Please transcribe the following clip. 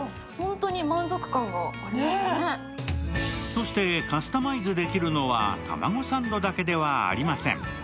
そしてカスタマイズできるのはたまごサンドだけではありませんん。